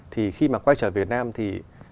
thì khi mà quay trở về việt nam thì